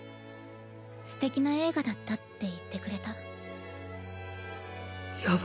すてきな映画だったって言ってくれた。